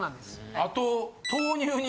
あと。